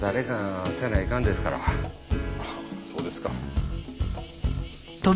あっそうですか。